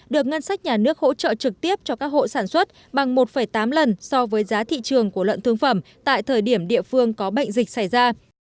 được ngân sách nhà nước hỗ trợ trực tiếp cho các hộ sản xuất bằng một tám lần so với giá thị trường của lợn thương phẩm tại thời điểm địa phương có bệnh dịch xảy ra